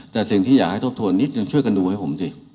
แต่สิ่งที่อยากให้ทบทวนนิดนึงช่วยกันดูให้ผมสิ